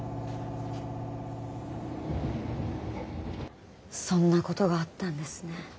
そんなことがあったんですね。